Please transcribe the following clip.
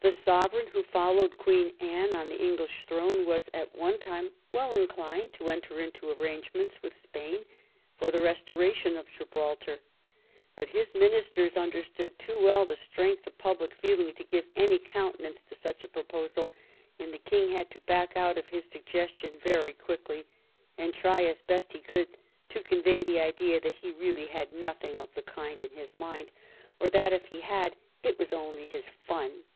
The sovereign who followed Queen Anne on the English throne was at one time well inclined to enter into arrangements with Spain for the restoration of Gibraltar. But lus ministers understood too well the strength of public feeling to give any countenance to such a proposal, and the King had to back out of his suggestion very quick ly, and try as best he could to convey the idea that he really had nothing of the kind in his mind, or that if he had, it was only his fun.